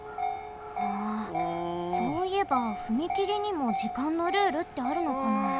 あそういえばふみきりにも時間のルールってあるのかな？